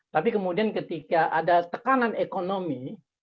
tapi kemudian ketika ada tekanan ekonomi